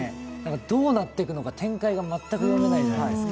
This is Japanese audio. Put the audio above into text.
どうなっていくのか展開が全く読めないじゃないですか。